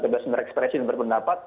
terbesar ekspresi dan berpendapat